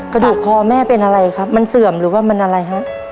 กระดูกคอแม่เป็นอะไรครับมันเสื่อมหรือว่ามันอะไรฮะ